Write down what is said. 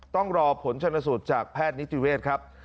ต้องรอผลชนสูตรจากแพทย์นิติเวศครับ